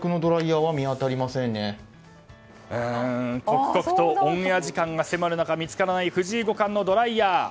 刻々とオンエア時間が迫る中見つからない藤井五冠のドライヤー。